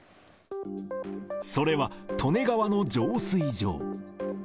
それは利根川の浄水場。